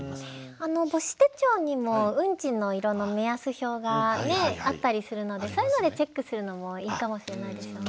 母子手帳にもウンチの色の目安表があったりするのでそういうのでチェックするのもいいかもしれないですよね。